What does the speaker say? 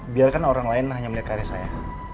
biarkan orang lain hanya melihat karya saya